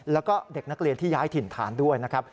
แล้วก็เด็กนักเรียนที่ย้ายถิ่นฐานด้วยนะครับ